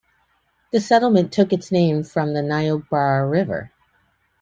The settlement took its name from the Niobrara River.